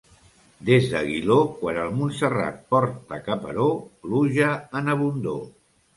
Des d'Aguiló, quan el Montserrat porta caperó, pluja en abundor.